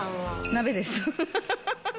鍋です。